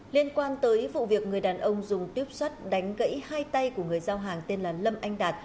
liên quan tới vụ việc người đàn ông dùng tuyếp sắt đánh gãy hai tay của người giao hàng tên là lâm anh đạt